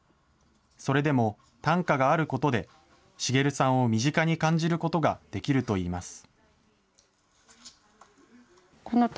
それでも、短歌があることで、滋さんを身近に感じることができるといいます。